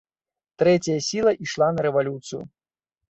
Трэцяя сіла ішла на рэвалюцыю.